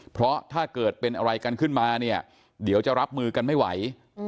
เพราะถ้าเกิดเป็นอะไรกันขึ้นมาเนี่ยเดี๋ยวจะรับมือกันไม่ไหว